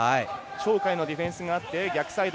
鳥海のディフェンスがあって逆サイド。